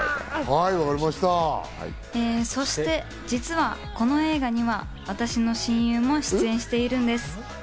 そして実はこの映画には私の親友も出演しているんです。